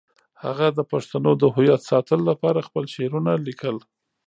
هغه د پښتنو د هویت ساتلو لپاره خپل شعرونه لیکل.